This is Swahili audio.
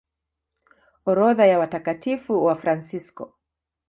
Orodha ya Watakatifu Wafransisko